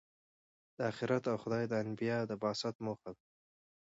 دا آخرت او خدای د انبیا د بعثت موخه ده.